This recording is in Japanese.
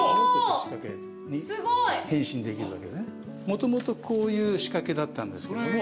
もともとこういうしかけだったんですけども。